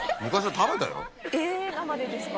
えぇ生でですか？